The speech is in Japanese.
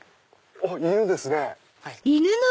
犬ですね。